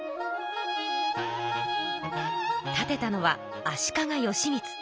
建てたのは足利義満。